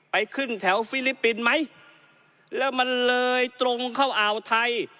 ไปขึ้นแถวฟิลิปปินส์ไหมแล้วมันเลยตรงเข้าอ่าวไทย